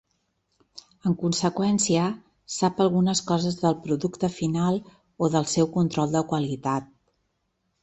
En conseqüència, sap algunes coses del producte final o del seu control de qualitat.